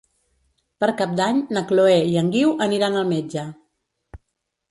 Per Cap d'Any na Chloé i en Guiu aniran al metge.